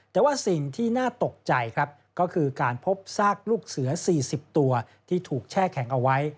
แต่ว่าสิ่งที่น่าตกใจครับก็คือการพบซากลูกเสือ๔๐ตัวที่ถูกแช่แข็งเอาไว้